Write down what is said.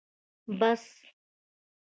بس